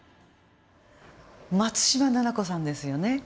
松嶋菜々子さんですよね